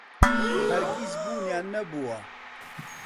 هەرگیز بوونیان نەبووە.